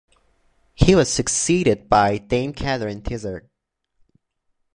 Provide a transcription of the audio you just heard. He was succeeded by Dame Catherine Tizard.